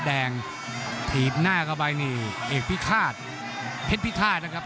แดงถีบหน้าเข้าไปนี่เอกพิฆาตเพชรพิฆาตนะครับ